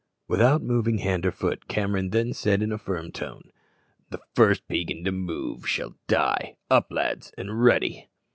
Without moving hand or foot, Cameron then said in a firm tone, "The first Peigan that moves shall die! Up, lads, and ready!"